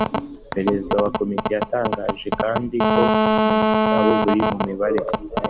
perezida wa komite yatangajekandi ko ubumenyi bwabo buri mu mibare